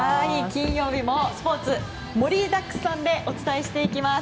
金曜日もスポーツ盛りだくさんでお伝えしていきます。